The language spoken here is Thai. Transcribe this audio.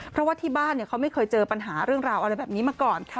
เพราะว่าที่บ้านเขาไม่เคยเจอปัญหาเรื่องราวอะไรแบบนี้มาก่อน